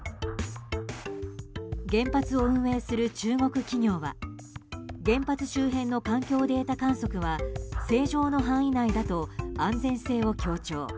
原発を運営する中国企業は原発周辺の環境データ観測は正常の範囲内だと安全性を強調。